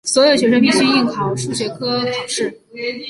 所有学生必须应考数学科考试。